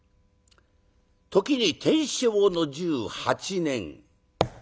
時に天正の１８年。